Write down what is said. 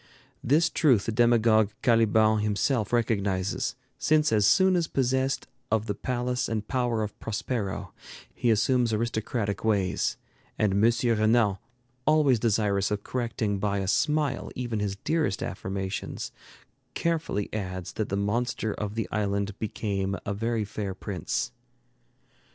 This truth the demagogue Caliban himself recognizes, since as soon as possessed of the palace and power of Prospero, he assumes aristocratic ways; and M. Renan, always desirous of correcting by a smile even his dearest affirmations, carefully adds that the monster of the island became a very fair prince.